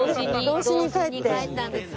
童心に帰ったんですね。